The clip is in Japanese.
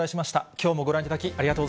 きょうもご覧いただき、ありがと